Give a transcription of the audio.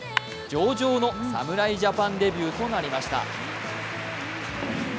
上々の侍ジャパンデビューとなりました。